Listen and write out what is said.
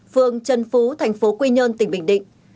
phương trân phú thành phố quy nhơn tỉnh bình định